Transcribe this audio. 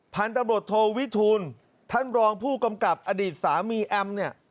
พันธุ์ตำรวจโทวิทูลท่านรองผู้กำกับอดีตสามีแอมเนี่ย